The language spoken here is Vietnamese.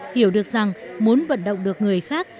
hiểu được rằng muốn vận động được người khác